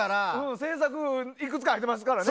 制作いくつか入ってますからね。